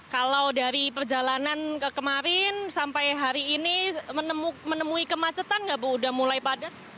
kalau dari perjalanan kemarin sampai hari ini menemui kemacetan nggak bu udah mulai padat